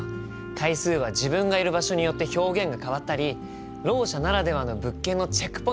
階数は自分がいる場所によって表現が変わったりろう者ならではの物件のチェックポイントとかね。